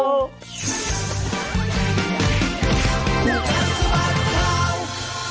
น่ะค่ะ